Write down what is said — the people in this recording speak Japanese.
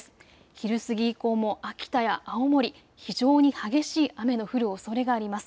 昼過ぎ以降も秋田や青森、非常に激しい雨の降るおそれがあります。